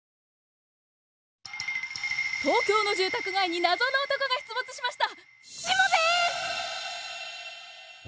東京の住宅街に謎の男が出没しました！